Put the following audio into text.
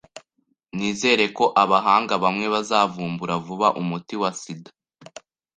Nizere ko abahanga bamwe bazavumbura vuba umuti wa sida